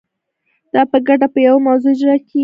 دا په ګډه په یوه موضوع اجرا کیږي.